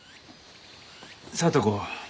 聡子。